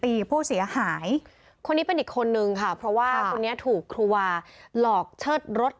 ผู้เสียหายคนนี้เป็นอีกคนนึงค่ะเพราะว่าคนนี้ถูกครูวาหลอกเชิดรถ